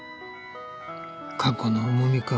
過去の重みか。